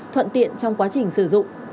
thuận tiện trong quá trình sử dụng